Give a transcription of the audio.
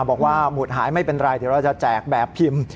หมุดหายไม่เป็นไรเดี๋ยวเราจะแจกแบบพิมพ์